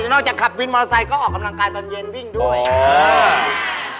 ้นอกจากขับบินมอสไซส์ก็ออกกำลังกายตอนเย็นวิ่งด้วย